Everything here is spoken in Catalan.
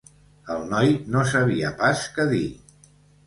El noi no sabia pas què dir.